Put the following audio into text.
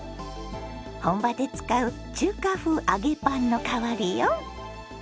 本場で使う中華風揚げパンの代わりよ。